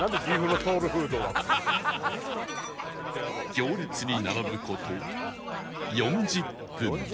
行列に並ぶ事４０分